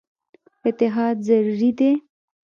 اتحاد ضروري دی.